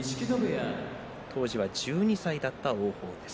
当時は１２歳だった王鵬です。